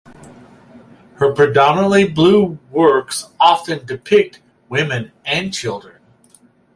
Her predominately blue works often depict women and children.